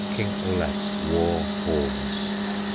KING OLAF'S WAR HORNS.